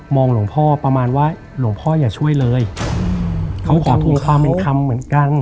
หลวงพ่อประมาณว่าหลวงพ่ออย่าช่วยเลยเขาขอทวงความเป็นธรรมเหมือนกัน